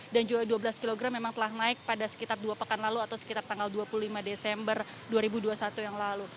dan juga dua belas kg memang telah naik pada sekitar dua pekan lalu atau sekitar tanggal dua puluh lima desember dua ribu dua puluh satu yang lalu